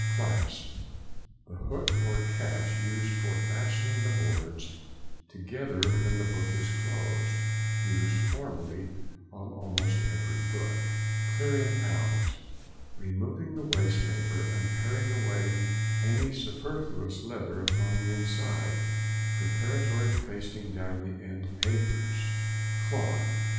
CLASP.—The hook or catch used for fastening the boards together when the book is closed; used formerly on almost every book. CLEARING OUT.—Removing the waste paper, and paring away any superfluous leather upon the inside, preparatory to pasting down the end papers. CLOTH.